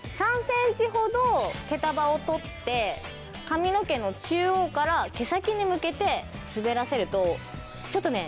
３センチほど毛束を取って髪の毛の中央から毛先に向けて滑らせるとちょっとね